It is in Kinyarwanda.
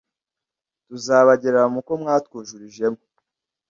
tuzabagerera mu ko mwatwujurijemo